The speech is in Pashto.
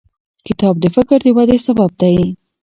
کتاب د فکر د ودې سبب دی.